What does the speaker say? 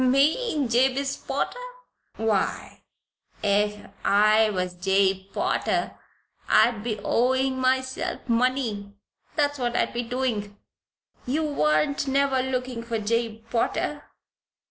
"Me Jabez Potter? Why, ef I was Jabe Potter I'd be owing myself money, that's what I'd be doin'. You warn't never lookin' for Jabe Potter?"